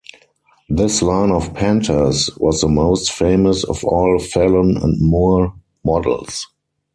This line of Panthers was the most famous of all Phelon and Moore models.